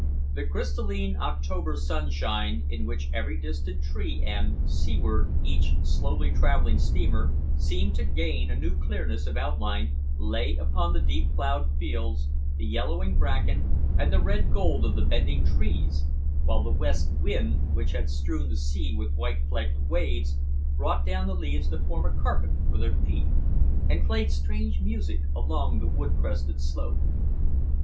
The crystalline October sunshine, in which every distant tree and, seaward, each slowly travelling steamer, seemed to gain a new clearness of outline, lay upon the deep ploughed fields, the yellowing bracken, and the red gold of the bending trees, while the west wind, which had strewn the sea with white flecked waves, brought down the leaves to form a carpet for their feet, and played strange music along the wood crested slope.